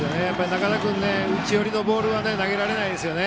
仲田君、内寄りのボールは投げられないですね。